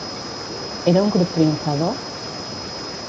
Era un grup triomfador?